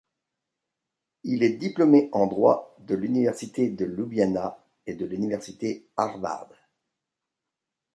Il est diplômé en droit de l'université de Ljubljana et de l'université Harvard.